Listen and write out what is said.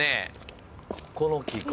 この木か。